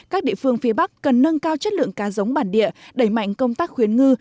các địa phương phía bắc cần nâng cao chất lượng cá giống bản địa đẩy mạnh công tác khuyến ngư